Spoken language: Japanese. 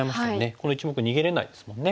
この１目逃げれないですもんね。